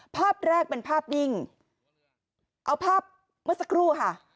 ภาพแรกเป็นภาพนิ่งเอาภาพเมื่อสักครู่ค่ะ